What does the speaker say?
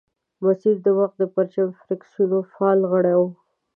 مسیر د وخت د پرچمي فرکسیون فعال غړی وو.